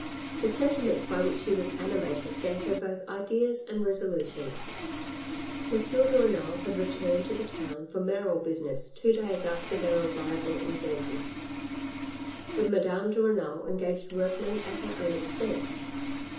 The sentiment by which she was animated gave her both ideas and resolution. M. de Renal had returned to the town, for mayoral business, two days after their arrival in Vergy. But Madame de Renal engaged workmen at her own expense.